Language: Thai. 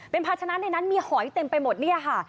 เป็นภาชนะในนั้นมีหอยเต็มไปหมดเนี่ยค่ะ